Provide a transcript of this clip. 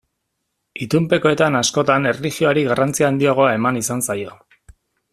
Itunpekoetan askotan erlijioari garrantzi handiagoa eman izan zaio.